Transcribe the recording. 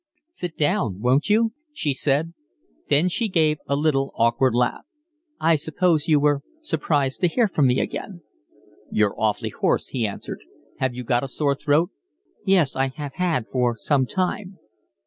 "Sit down, won't you?" she said. Then she gave a little awkward laugh. "I suppose you were surprised to hear from me again." "You're awfully hoarse," he answered. "Have you got a sore throat?" "Yes, I have had for some time."